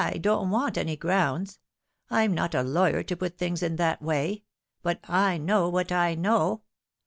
don't want any grounds. I'm not a lawyer to put things in that way ; but I know what I know.